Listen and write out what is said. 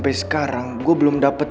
tapi saya nunggu yaudah